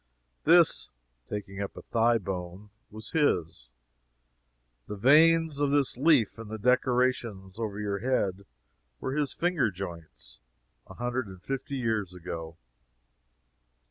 This, [taking up a thigh bone,] was his. The veins of this leaf in the decorations over your head, were his finger joints, a hundred and fifty years ago."